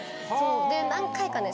で何回かね